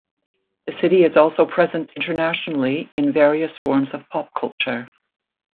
The city is also present internationally in various forms of pop culture.